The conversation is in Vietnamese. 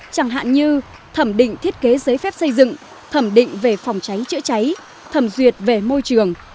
chẳng hạn như thẩm định thiết kế giấy phép xây dựng thẩm định về phòng cháy chữa cháy thẩm duyệt về môi trường